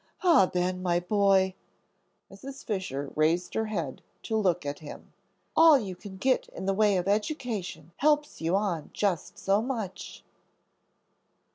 "Ah, Ben, my boy," Mrs. Fisher raised her head to look at him, "all you can get in the way of education helps you on just so much."